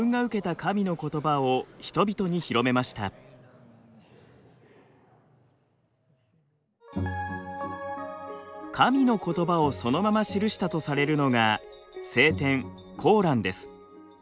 神の言葉をそのまま記したとされるのが聖典コーランです。